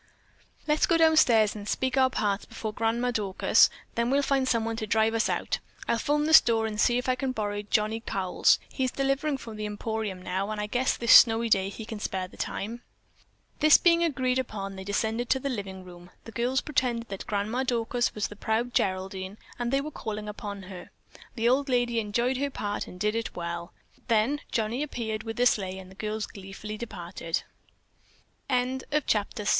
"Let's go downstairs and speak our parts before Grandma Dorcas, then we'll find someone to drive us out. I'll phone the store and see if I can borrow Johnnie Cowles. He's delivering for The Emporium now, and I guess this snowy day he can spare the time." This being agreed upon, they descended to the living room. The girls pretended that Grandma Dorcas was the proud Geraldine and that they were calling upon her. The old lady enjoyed her part and did it well; then Johnnie appeared with the sleigh and the girls gleefully departed. CHAPTER VII.